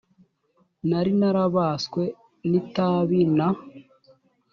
nari narabaswe n itabi na